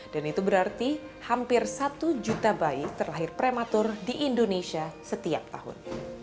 dan itu berarti hampir satu juta bayi terlahir prematur di indonesia setiap tahun